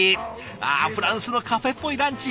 あフランスのカフェっぽいランチ。